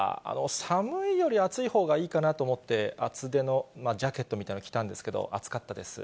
寒いより暑いほうがいいかなと思って、厚手のジャケットみたいの着たんですけど、暑かったです。